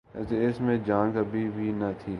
جیسے اس میں جان کبھی بھی نہ تھی۔